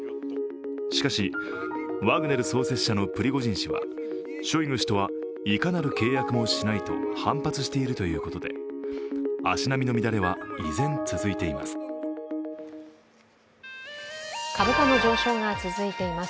しかしワグネル創設者のプリゴジン氏はショイグ氏とはいかなる契約もしないと反発しているということで、足並みの乱れは依然、続いています株価の上昇が続いています。